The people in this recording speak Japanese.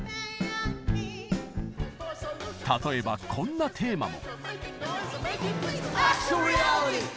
例えばこんなテーマも。